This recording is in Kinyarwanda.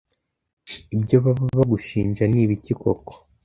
Ibyo baba bagushinja ni ibiki koko